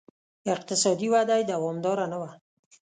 اقتصادي وده یې دوامداره نه وه.